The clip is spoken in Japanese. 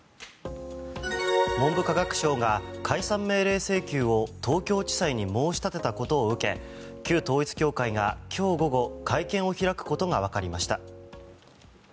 文部科学省が解散命令請求を東京地裁に申し立てたことを受け旧統一教会が今日午後会見を開くことがわかりました。